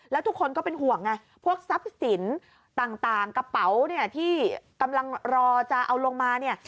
แล้วทุกคนก็เป็นห่วงไงพวกทรัพย์สินต่างกระเป๋าเนี่ยที่กำลังรอจะเอาลงมาเนี่ย